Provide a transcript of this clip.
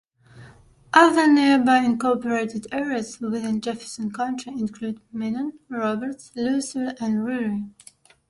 Other nearby incorporated areas within Jefferson County include Menan, Roberts, Lewisville, and Ririe.